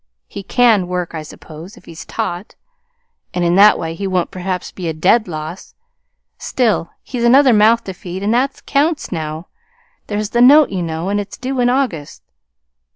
He can work, I suppose, if he's taught, and in that way he won't perhaps be a dead loss. Still, he's another mouth to feed, and that counts now. There's the note, you know, it's due in August."